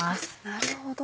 なるほど。